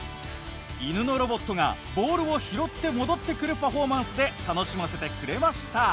犬のロボットがボールを拾って戻ってくるパフォーマンスで楽しませてくれました。